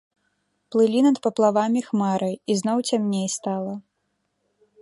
Плылі над паплавамі хмары, і зноў цямней стала.